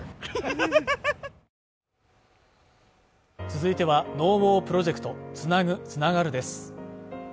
続いては「ＮＯＷＡＲプロジェクトつなぐ、つながる」です